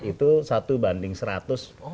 itu satu banding seratus